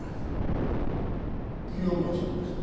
木屋町のですか？